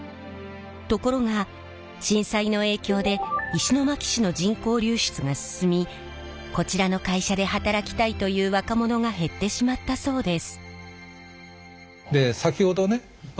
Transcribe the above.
ところが震災の影響で石巻市の人口流出が進みこちらの会社で働きたいという若者が減ってしまったそうです。